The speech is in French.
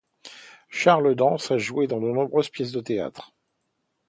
Charles Dance a joué dans de nombreuses pièces de théâtre.